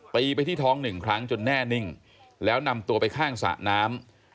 ไปที่ท้องหนึ่งครั้งจนแน่นิ่งแล้วนำตัวไปข้างสระน้ำ